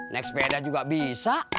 naik sepeda juga bisa